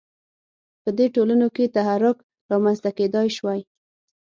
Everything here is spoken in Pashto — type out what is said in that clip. په دې ټولنو کې تحرک رامنځته کېدای شوای.